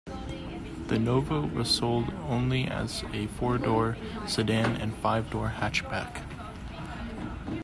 The Nova was sold only as a four-door sedan and five-door hatchback.